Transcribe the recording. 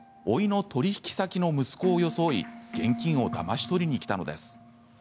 おいの取引先の息子を装い現金をだまし取りに来たのです。